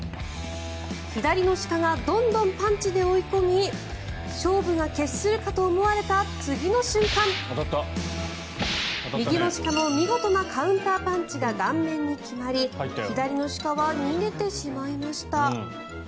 左の鹿がどんどんパンチで追い込み勝負が決するかと思われた次の瞬間右の鹿の見事なカウンターパンチが顔面に決まり左の鹿は逃げてしまいました。